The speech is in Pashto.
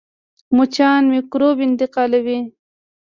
مچان میکروب انتقالوي